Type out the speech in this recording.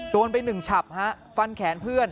ตัวเป็น๑ฉับฟันแขนเพื่อน